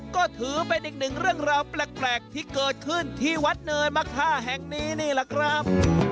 ก็ถือเป็นอีกหนึ่งเรื่องราวแปลกที่เกิดขึ้นที่วัดเนินมะค่าแห่งนี้นี่แหละครับ